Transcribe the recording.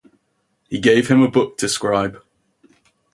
He gave him a book to scribe.